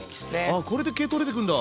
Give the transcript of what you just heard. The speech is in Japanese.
あこれで毛取れてくんだ。